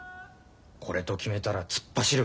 これと決めたら突っ走る。